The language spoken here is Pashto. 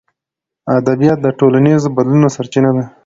ادبیات د ټولنیزو بدلونونو سرچینه ده.